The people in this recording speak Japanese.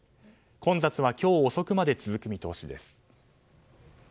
混雑は今日遅くまで続く見通しです。